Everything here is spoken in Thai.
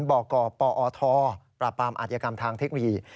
บกปอทปราบปรามอาธิกรรมทางเทคโนโลยี